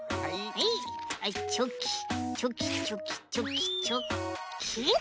はいチョキチョキチョキチョキチョッキンと。